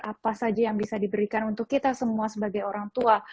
apa saja yang bisa diberikan untuk kita semua sebagai orang tua